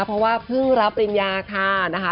เพราะว่าเพิ่งรับปริญญาค่ะนะคะ